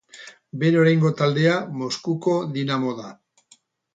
Bere oraingo taldea, Moskuko Dinamo da.